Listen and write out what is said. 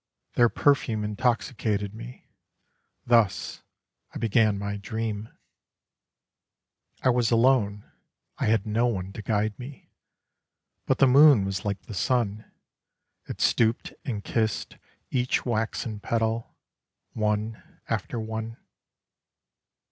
Their perfume intoxicated me: thus I began my dream. I was alone; I had no one to guide me, But the moon was like the sun: It stooped and kissed each waxen petal, One after one.